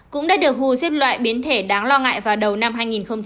cũng đã được who xếp loại biến thể đáng lo ngại vào đầu năm hai nghìn hai mươi một